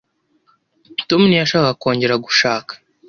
tom ntiyashakaga kongera gushaka